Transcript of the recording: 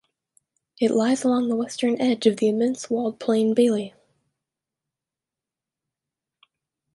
It lies along the western edge of the immense walled plain Bailly.